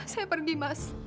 saya pergi mas